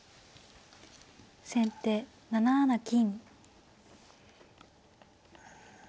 先手７七金。